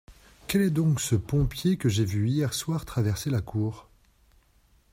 Quel est donc ce pompier que j’ai vu hier soir traverser la cour ?